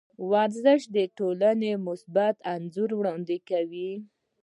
ورزش د ټولنې مثبت انځور وړاندې کوي.